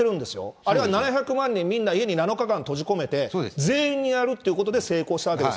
あれは７００万人、家に７日間閉じ込めて、全員にやるということで成功したわけです。